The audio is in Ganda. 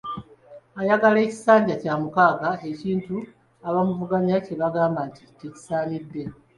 Ayagala ekisanja kya mukaaga, ekintu abamuvuganya kye bagamba nti tekisaanidde.